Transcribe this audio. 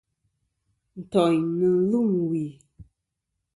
Ntòyn nɨ̀n lûm wì.